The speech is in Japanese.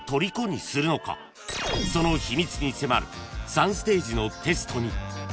［その秘密に迫る３ステージのテストに］